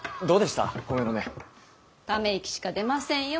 ため息しか出ませんよ。